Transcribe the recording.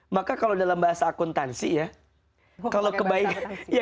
maka kalau dalam bahasa akuntansi ya